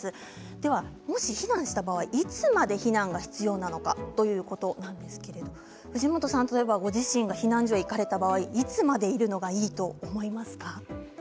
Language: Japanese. では避難した場合いつまで避難が必要なのかということなんですけれど藤本さん、例えばご自身が避難所に行かれた場合いつまでいるのがいいと思いますか？